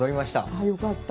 ああよかった。